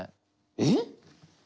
えっ？